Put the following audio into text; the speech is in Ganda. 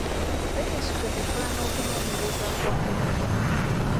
Minisitule ekola n'okunoonyereza kwayo.